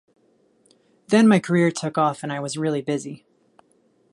Then my career took off and I was really busy.